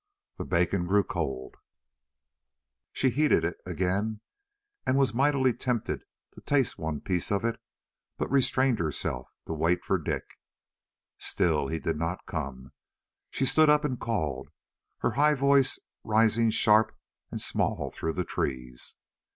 The bacon grew cold; she heated it again and was mightily tempted to taste one piece of it, but restrained herself to wait for Dick. Still he did not come. She stood up and called, her high voice rising sharp and small through the trees.